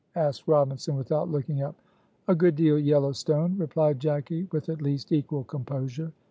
asked Robinson, without looking up. "A good deal yellow stone," replied Jacky, with at least equal composure.